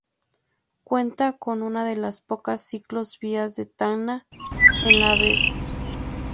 Cuanta con una de las pocas Ciclo Vías de Tacna, en la Av.